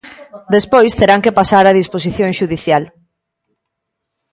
Despois terán que pasar a disposición xudicial.